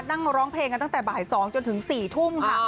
นั่งร้องเพลงกันตั้งแต่บ่าย๒จนถึง๔ทุ่มค่ะ